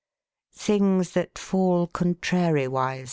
Things that fall contrariwise.